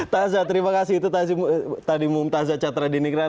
taza terima kasih itu tadi taza catra dinikrat ya